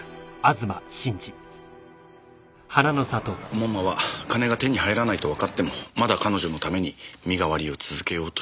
門馬は金が手に入らないとわかってもまだ彼女のために身代わりを続けようとした。